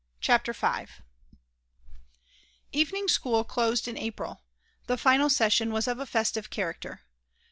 CHAPTER V EVENING school closed in April. The final session was of a festive character.